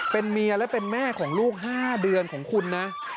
เป็นเมียและเป็นแม่ของลูก๕เดือนของคุณนะ